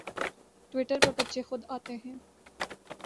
Twitter پر بچے خود آتے ہیں